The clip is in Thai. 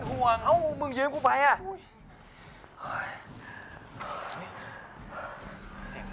หูยแยงยักษ์ไปแล้วหรอ